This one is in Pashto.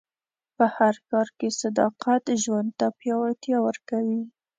په هر کار کې صداقت ژوند ته پیاوړتیا ورکوي.